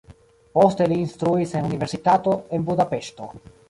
Poste li instruis en universitato en Budapeŝto.